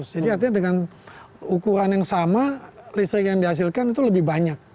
jadi artinya dengan ukuran yang sama listrik yang dihasilkan itu lebih banyak